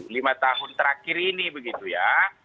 lima tahun terakhir ini begitu ya